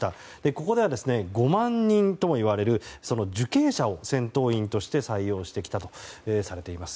ここでは、５万人ともいわれる受刑者を戦闘員として採用してきたとされています。